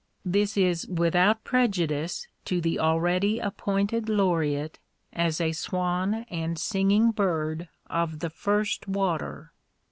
This is without prejudice to the already appointed Laureate as a swan and singing bird of the first water.